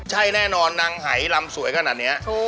ใช่แน่นอนนางหายลำสวยขนาดนี้